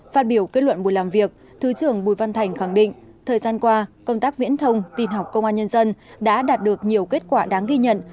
phát biểu kết luận buổi làm việc thứ trưởng bùi văn thành khẳng định thời gian qua công tác viễn thông tin học công an nhân dân đã đạt được nhiều kết quả đáng ghi nhận